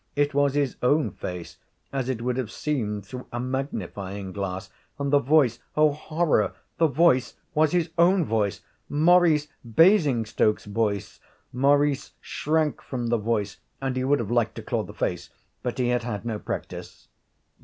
It was his own face, as it would have seemed through a magnifying glass. And the voice oh, horror! the voice was his own voice Maurice Basingstoke's voice. Maurice shrank from the voice, and he would have liked to claw the face, but he had had no practice.